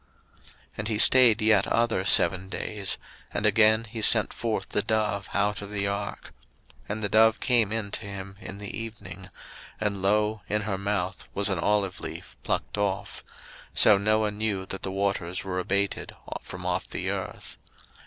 01:008:010 And he stayed yet other seven days; and again he sent forth the dove out of the ark; 01:008:011 And the dove came in to him in the evening; and, lo, in her mouth was an olive leaf pluckt off: so Noah knew that the waters were abated from off the earth.